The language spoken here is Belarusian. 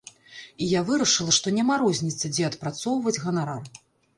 І я вырашыла, што няма розніцы, дзе адпрацоўваць ганарар.